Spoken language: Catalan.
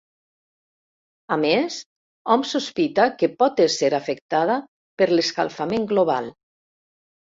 A més, hom sospita que pot ésser afectada per l'escalfament global.